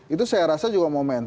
itu saya rasa juga momen